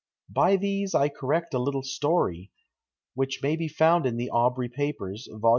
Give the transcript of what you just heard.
By these I correct a little story, which may be found in the Aubrey Papers, vol.